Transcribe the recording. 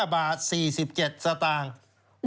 ๕บาท๔๗สตางค์